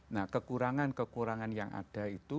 nah kekurangan kekurangan yang ada itu